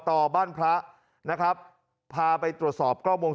ทำไมคงคืนเขาว่าทำไมคงคืนเขาว่า